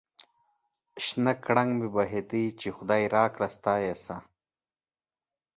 شنه گړنگ مې بهيده ، چې خداى راکړه ستا يې څه ؟